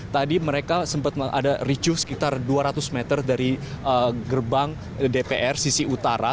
tadi mereka sempat ada ricuh sekitar dua ratus meter dari gerbang dpr sisi utara